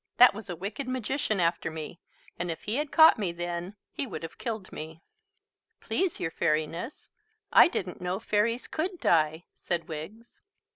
"That was a wicked magician after me, and if he had caught me then, he would have killed me." "Please, your Fairiness, I didn't know fairies could die," said Wiggs.